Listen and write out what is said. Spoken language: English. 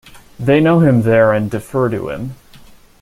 They know him there and defer to him.